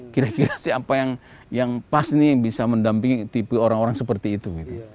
kira kira siapa yang pas ini bisa mendampingi tv orang orang seperti itu